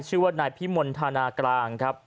ชื่อว่านายพิมลธนากลางครับ